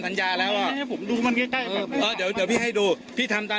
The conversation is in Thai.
ทรัญญาแล้วอ่ะทรัญญาเป็นเออเดี๋ยวพี่ให้ดูพี่ทำตาม